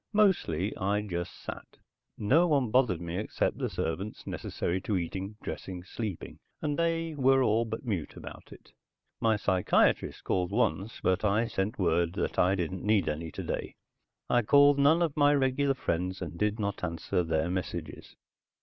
Mostly, I just sat. No one bothered me except the servants necessary to eating, dressing, sleeping, and they were all but mute about it. My psychiatrist called once, but I sent word that I didn't need any today. I called none of my regular friends and did not answer their messages.